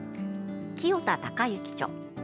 清田隆之著。